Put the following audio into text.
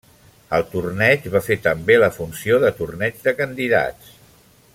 El torneig va fer també la funció de Torneig de Candidats.